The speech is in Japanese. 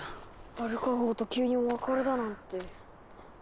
アルカ号と急にお別れだなんて。